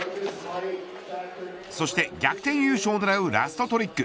そして逆転優勝を狙うラストトリック。